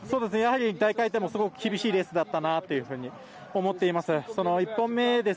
やはり大回転もすごく厳しいレースだったなというふうに思っています。